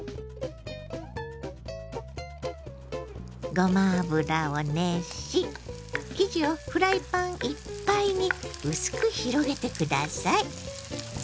ごま油を熱し生地をフライパンいっぱいに薄く広げて下さい。